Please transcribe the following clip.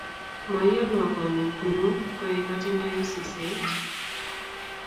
Mayanwa konut nyun koek atindoi seset